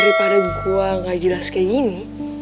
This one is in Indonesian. daripada gua gak jelas kayak gini